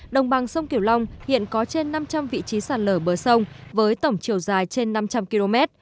đồng bằng sông kiểu long hiện có trên năm trăm linh vị trí sạt lở bờ sông với tổng chiều dài trên năm trăm linh km